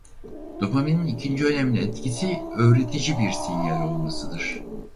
Dopaminin ikinci önemli etkisi "öğretici" bir sinyal olmasıdır.